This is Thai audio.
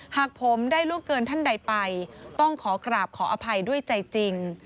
หากผมได้ลูกเกินท่านใดไปต้องขอกราบขออภัยด้วยใจจริง